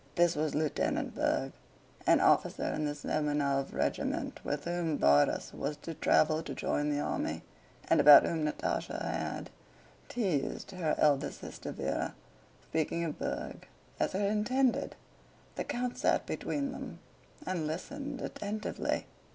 This was Lieutenant Berg, an officer in the Semënov regiment with whom Borís was to travel to join the army, and about whom Natásha had teased her elder sister Véra, speaking of Berg as her "intended." The count sat between them and listened attentively.